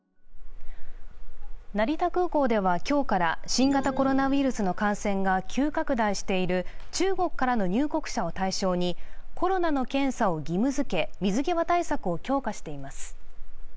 成田空港では今日から新型コロナウイルスの感染が急拡大している中国からの入国者を対象にコロナの検査を義務づけ、水際対策を強化しています。